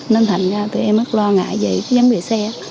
nên thành ra tụi em mất lo ngại gì giống như xe